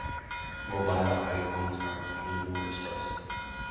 Mobile icons are becoming more expressive.